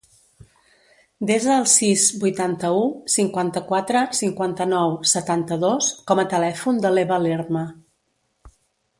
Desa el sis, vuitanta-u, cinquanta-quatre, cinquanta-nou, setanta-dos com a telèfon de l'Eva Lerma.